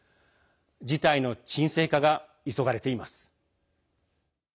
事態の鎮静化が急がれています。